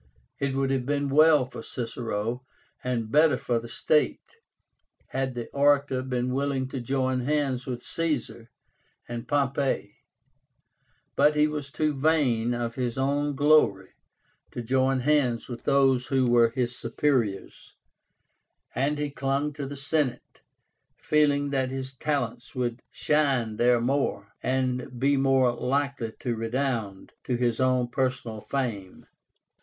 It would have been well for Cicero, and better for the state, had the orator been willing to join hands with Caesar and Pompey; but he was too vain of his own glory to join hands with those who were his superiors, and he clung to the Senate, feeling that his talents would shine there more, and be more likely to redound to his own personal fame.